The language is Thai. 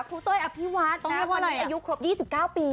คุณเต้ยอภิวัฏนะวันนี้อายุครบ๒๙ปีต้องเรียกว่าไร